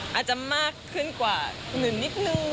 อาจจะมากขึ้นกว่าอื่นนิดนึง